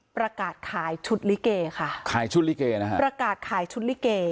ประกาศขายชุดลิเกประกาศขายชุดลิเก